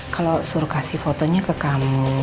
kalau suruh kasih fotonya ke kamu